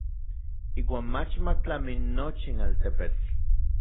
Iuan mach ma tlami nochin altepetl.